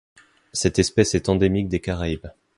Cette espèce est endémique des Caraïbes.